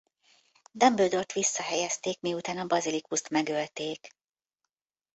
Dumbledore-t visszahelyezték miután a Baziliszkuszt megölték.